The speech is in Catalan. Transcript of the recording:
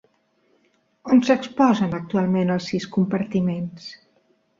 On s'exposen actualment els sis compartiments?